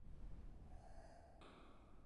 کتابونه افغانستان ته ولېږل شول.